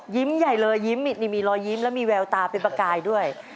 ใหญ่เลยยิ้มนี่มีรอยยิ้มแล้วมีแววตาเป็นประกายด้วย